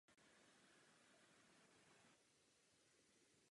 S jejím návratem ale nastává jaro.